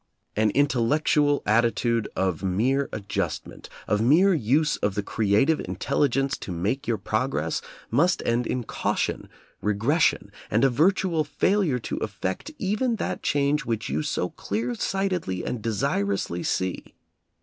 An intel lectual attitude of mere adjustment, of mere use of the creative intelligence to make your progress, must end in caution, regression, and a virtual fail ure to effect even that change which you so clear sightedly and desirously see.